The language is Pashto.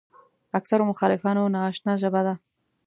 اکثرو مخالفانو ناآشنا ژبه ده.